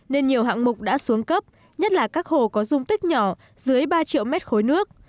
nên nhiều hạng mục đã xuống cấp nhất là các hồ có dung tích nhỏ dưới ba triệu mét khối nước